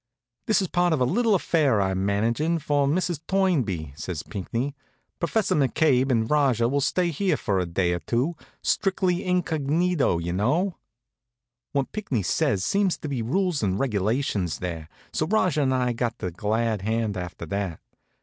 "This is part of a little affair I'm managing for Mrs. Toynbee," says Pinckney. "Professor McCabe and Rajah will stay here for a day or two, strictly in cog., you know." What Pinckney says seemed to be rules and regulations there, so Rajah and I got the glad hand after that.